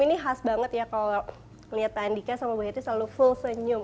ini khas banget ya kalau lihat pak andika sama mbak heti selalu full senyum